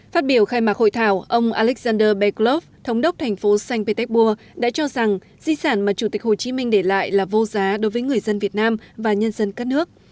phát biểu khai mạc hội thảo ông alexander beglov thống đốc thành phố sanh petersburg đã cho rằng di sản mà chủ tịch hồ chí minh để lại là vô giá đối với người dân việt nam và nhân dân các nước